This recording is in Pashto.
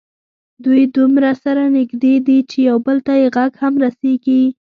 دوی دومره سره نږدې دي چې یو بل ته یې غږ هم رسېږي.